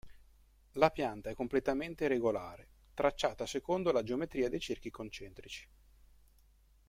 La pianta è completamente regolare, tracciata secondo la geometria dei cerchi concentrici.